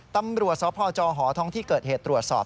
ตำรวจสพจหอท้องที่เกิดเหตุตรวจสอบ